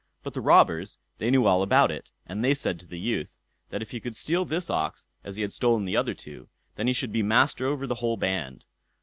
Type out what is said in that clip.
But the robbers, they knew all about it, and they said to the youth, that if he could steal this ox as he had stolen the other two, then he should be master over the whole band.